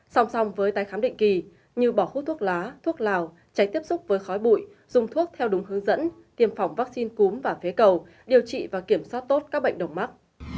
song song với tái khám định kỳ như bỏ hút thuốc lá thuốc lào cháy tiếp xúc với khói bụi dùng thuốc theo đúng hướng dẫn tiêm phòng vaccine cúm và phế cầu điều trị và kiểm soát tốt các bệnh đồng mắc